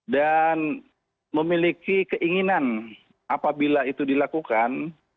dan memiliki keinginan apabila itu dilakukan